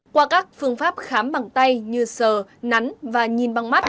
qua các phương pháp khám bằng tay như sờ nắn và nhìn bằng mắt